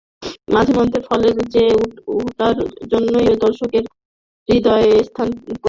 মাঝেমধ্যে ফলের চেয়ে ওটার জন্যই দর্শকদের হূদয়ে স্থান করে নেওয়া যায়।